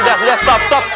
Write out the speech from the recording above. sudah sudah stop stop